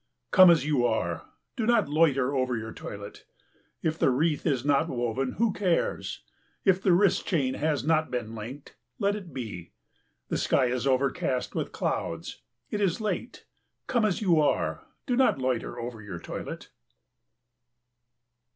Come as you are; do not loiter over your toilet. If the wreath is not woven, who cares; if the wrist chain has not been linked, let it be. The sky is overcast with clouds it is late. Come as you are; do not loiter over your toilet.